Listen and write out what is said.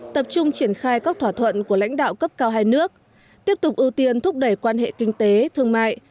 tập trung triển khai các thỏa thuận của lãnh đạo cấp cao hai nước tiếp tục ưu tiên thúc đẩy quan hệ kinh tế thương mại